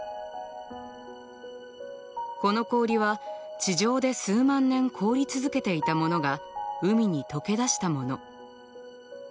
この氷は地上で数万年凍り続けていたものが海に解け出したもの。